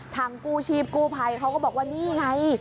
กู้ชีพกู้ภัยเขาก็บอกว่านี่ไง